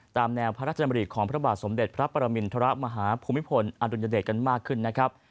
ตามแนวพระราชดำริของพระบาทสมเด็จพระปรมินทรมาฮภูมิพลอดุลยเดชกันมากขึ้นนะครับ